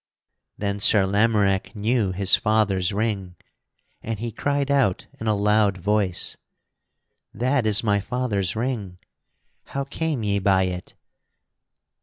Then Sir Lamorack knew his father's ring and he cried out in a loud voice: "That is my father's ring; how came ye by it?"